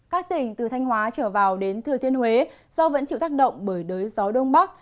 các tỉnh từ thanh hóa trở vào đến thừa thiên huế do vẫn chịu tác động bởi đới gió đông bắc